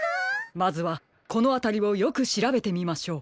まずはこのあたりをよくしらべてみましょう。